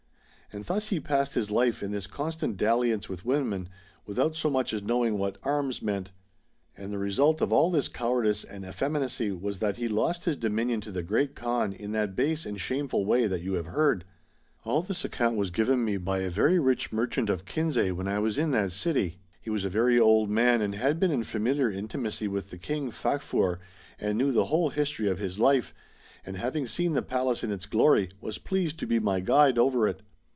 And thus he passed his life in this constant dalliance with women, without so much as knowing what arms meant. And the result of all this cowardice and effeminacy was that he lost his dominion to the Great Kaan in that base and shameful way that you have heard." All this account was given mc by a very rich merchant Chap. LXXVII. THE GREAT CITY OF KINSAY. 165 of Kinsay when I was in that city. He was a very old man, and had been in familiar intimacy with the King Facfur, and knew the whole history of his life ; and having seen the Palace in its glory was pleased to be my guide over it.